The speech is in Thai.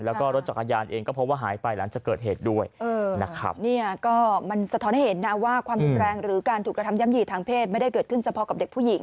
แล้วก็รถจักรยานเองก็พบว่าหายไปหลานจะเกิดเหตุด้วยนะครับ